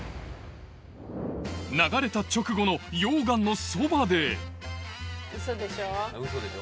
流れた直後の溶岩のそばでウソでしょ？